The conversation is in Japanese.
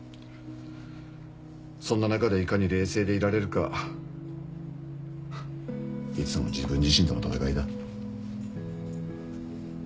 そんな中でいかに冷静でいられるかいつも自分自身との闘いだ。